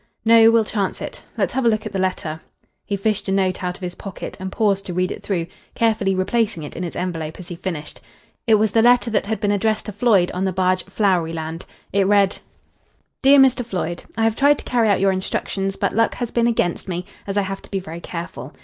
"No, we'll chance it. Let's have a look at the letter." He fished a note out of his pocket and paused to read it through, carefully replacing it in its envelope as he finished. It was the letter that had been addressed to Floyd on the barge "Flowery Land." It read "DEAR MR. FLOYD, I have tried to carry out your instructions, but luck has been against me, as I have to be very careful.